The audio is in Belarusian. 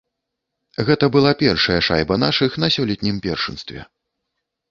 Гэта была першая шайба нашых на сёлетнім першынстве.